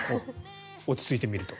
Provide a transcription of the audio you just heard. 落ち着いて見ると。